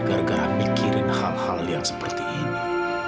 gara gara mikirin hal hal yang seperti ini